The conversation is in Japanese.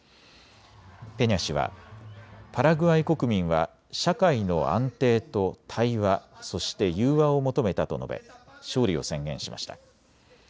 ペニャ氏はパラグアイ国民は社会の安定と対話、そして融和を求めたと述べ勝利を宣言しました。